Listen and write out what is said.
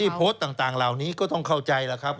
ที่โพสต์ต่างราวนี้ก็ต้องเข้าใจละครับ